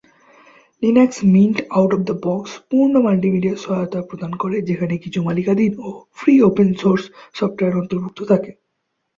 Linux Mint out of the box পূর্ণ multimedia সহায়তা প্রদান করে, যেখানে কিছু মালিকানাধীন ও ফ্রি-ওপেন সোর্স সফটওয়্যার অন্তর্ভুক্ত থাকে।